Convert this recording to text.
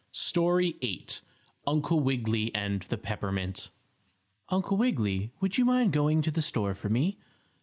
STORY VIII UNCLE WIGGILY AND THE PEPPERMINT "Uncle Wiggily, would you mind going to the store for me?"